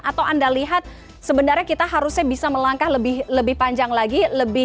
atau anda lihat sebenarnya kita harusnya bisa melangkah lebih panjang lagi